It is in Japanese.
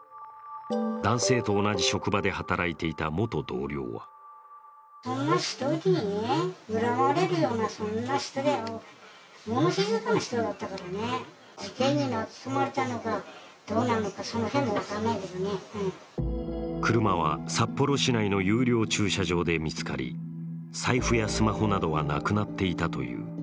男性と同じ職場で働いていた元同僚は車は札幌市内の有料駐車場で見つかり財布やスマホなどはなくなっていたという。